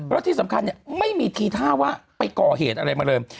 แล้วที่สำคัญไม่มีทีท่าว่าไปก่อเหตุอะไรมาเลย